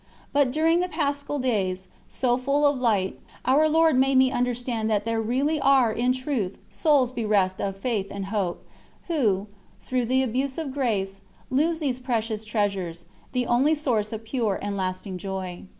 But during the Paschal days, so full of light, our Lord made me understand that there really are in truth souls bereft of Faith and Hope, who, through abuse of grace, lose these precious treasures, the only source of pure and lasting joy.